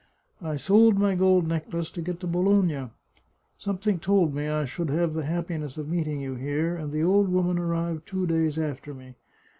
I sold my gold necklace to get to Bologna. Something told me I should have the happiness of meeting you here, and the old woman arrived two days after me.